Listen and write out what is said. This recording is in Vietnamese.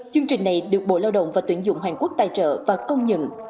chương trình này được bộ lao động và tuyển dụng hoàn quốc tài trợ và công nhận